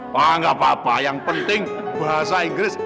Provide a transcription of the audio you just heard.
wah gapapa yang penting bahasa inggris